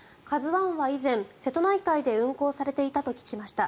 「ＫＡＺＵ１」は以前瀬戸内海で運航されていたと聞きました。